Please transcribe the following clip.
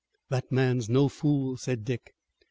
"That man's no fool," said Dick.